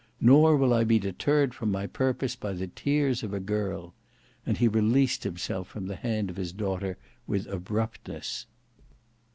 Nor will I be deterred from my purpose by the tears of a girl," and he released himself from the hand of his daughter with abruptness.